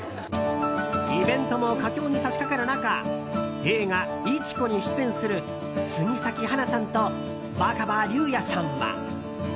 イベントも佳境に差し掛かる中映画「市子」に出演する杉咲花さんと若葉竜也さんは。